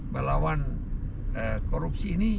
melawan korupsi ini